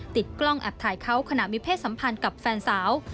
ติดกล้องแอบถ่ายเขาขณะมีเพศสัมพันธ์กับแฟนสาว